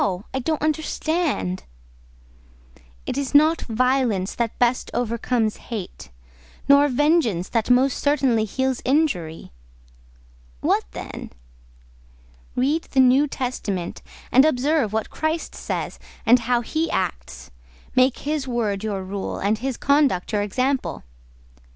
I don't understand." "It is not violence that best overcomes hate—nor vengeance that most certainly heals injury." "What then?" "Read the New Testament, and observe what Christ says, and how He acts; make His word your rule, and His conduct your example."